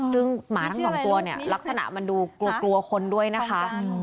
ซึ่งหมาทั้งสองตัวเนี่ยลักษณะมันดูกลัวคนด้วยนะคะ